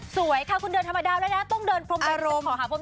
สวยค่ะคุณเดินธรรมดาแล้วนะต้องเดินพร้อมด้วย